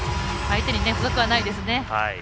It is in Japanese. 相手に不足はないですね。